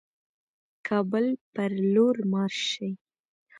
کابل پر لور مارش شي.